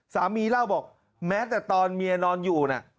สามีเล่าบอกแม้แต่ตอนเมียนอนอยู่น่ะ